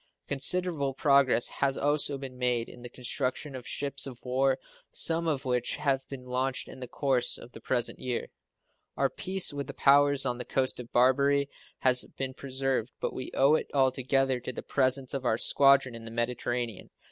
Considerable progress has also been made in the construction of ships of war, some of which have been launched in the course of the present year. Our peace with the powers on the coast of Barbary has been preserved, but we owe it altogether to the presence of our squadron in the Mediterranean.